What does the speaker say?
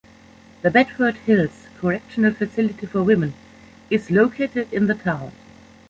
The Bedford Hills Correctional Facility for Women is located in the town.